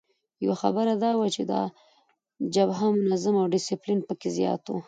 یوه خبره دا وه چې دا جبهه منظمه او ډسپلین پکې زیات وو.